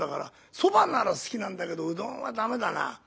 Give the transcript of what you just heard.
そばなら好きなんだけどうどんは駄目だな」。